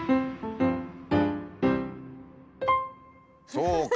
そうか。